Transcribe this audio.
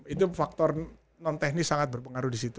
itu faktor non teknis sangat berpengaruh disitu